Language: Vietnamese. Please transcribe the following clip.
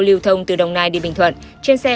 lưu thông từ đồng nai đi bình thuận trên xe